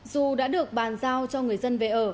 dù đã được bàn giao cho người dân về ở